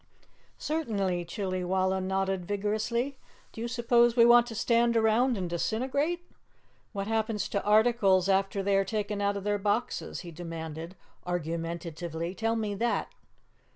"Certainly." Chillywalla nodded vigorously. "Do you suppose we want to stand around and disintegrate? What happens to articles after they are taken out of their boxes?" he demanded argumentatively. "Tell me that."